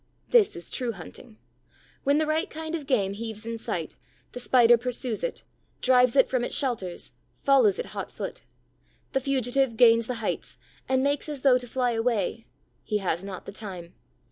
This is true hunting. When the right kind of game heaves in sight, the Spider pursues it, drives it from its shelters, follows it hot foot. The fugitive gains the heights, and makes as though to fly away. He has not the time.